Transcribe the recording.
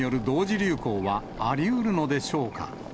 流行は、ありうるのでしょうか。